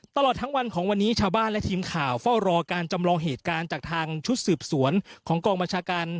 ตลอดทั้งวันของวันนี้ชาวบ้านและทีมข่าวเฝ้ารอการจำลองเหตุการณ์จากทางชุดสืบสวนของกองบัญชาการ